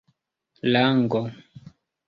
lango